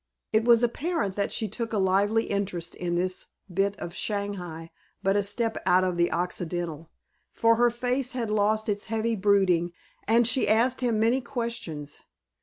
It was apparent that she took a lively interest in this bit of Shanghai but a step out of the Occident, for her face had lost its heavy brooding and she asked him many questions.